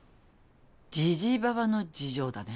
ジジババの事情だね。